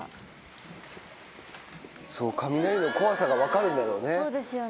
雷の怖さが分かるんだろうね。